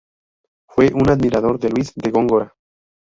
Fue un admirador de Luis de Góngora.